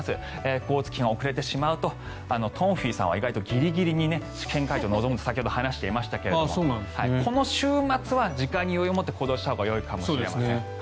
交通機関で遅れてしまうと東輝さんは意外とギリギリに試験会場に臨むと先ほど話していましたがこの週末は時間に余裕を持って行動したほうがよいかもしれません。